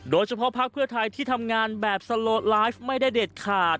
โดยเฉพาะภาคเพื่อไทยที่ทำงานแบบสะโหลดไลฟ์ไม่ได้เด็ดขาด